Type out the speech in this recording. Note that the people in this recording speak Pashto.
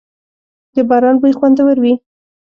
• د باران بوی خوندور وي.